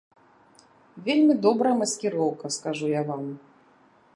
Вельмі добрая маскіроўка, скажу я вам.